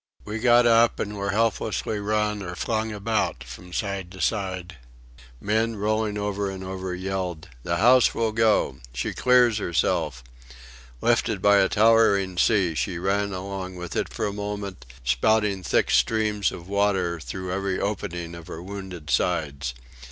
We got up and were helplessly run or flung about from side to side. Men, rolling over and over, yelled, "The house will go!" "She clears herself!" Lifted by a towering sea she ran along with it for a moment, spouting thick streams of water through every opening of her wounded sides.